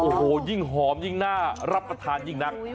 โอ้โหยิ่งหอมยิ่งน่ารับประทานยิ่งนัก